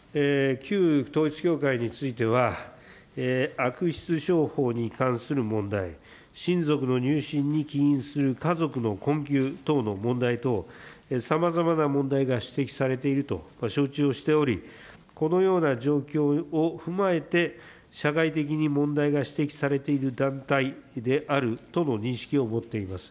旧統一教会については、悪質商法に関する問題、親族の入信に起因する家族の困窮等の問題等、さまざまな問題が指摘されていると承知をしており、このような状況を踏まえて、社会的に問題が指摘されている団体であるとの認識を持っています。